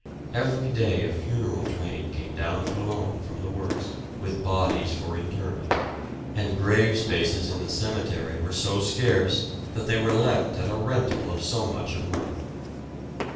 Every day a funeral train came down to Colon from the works with bodies for interment, and grave spaces in the cemetery were so scarce that they were let at a rental of so much a month.